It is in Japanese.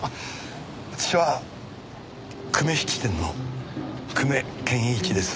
私は久米質店の久米健一です。